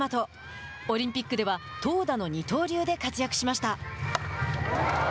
オリンピックでは投打の二刀流で活躍しました。